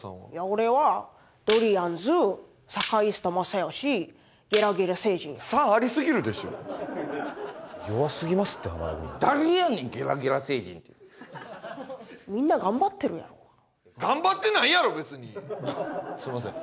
俺はどりあんずサカイストマサヨシゲラゲラ星人や差ありすぎるでしょ弱すぎますって浜田組誰やねんゲラゲラ星人ってみんな頑張ってるやろ頑張ってないやろ別にすいません